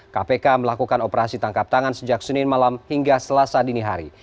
kpk melakukan operasi tangkap tangan sejak senin malam hingga selasa dini hari